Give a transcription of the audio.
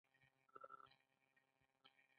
په افغانستان کې د کابل سیند ډېر اهمیت لري.